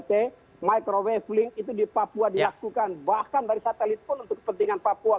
untuk daerah daerah tiga t microwave link itu di papua dilakukan bahkan dari satelit pun untuk kepentingan papua